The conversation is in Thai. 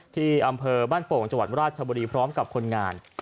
ที่อำเภอบ้านโป่งจังหวัดราชบุรีพร้อมกับคนงาน